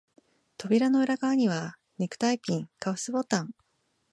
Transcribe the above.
扉の裏側には、ネクタイピン、カフスボタン、